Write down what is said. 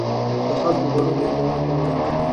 د خلکو ګډون اعتماد پیاوړی کوي